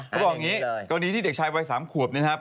เขาบอกงี้กรณีที่เด็กชายวัย๓ขวบเนี้ยนะฮะ